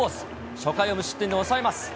初回を無失点に抑えます。